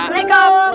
makasih pak serikiti